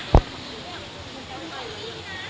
พระศักดิ์ไทย